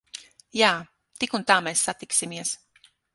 Jā. Tik un tā mēs satiksimies.